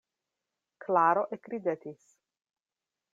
Klaro ekridetis.